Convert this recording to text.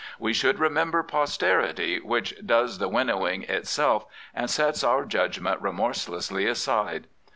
We should remember posterity, which does the winnowing itself and sets our judgment remorselessly aside.